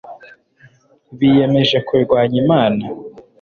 biyemeje kurwanya imana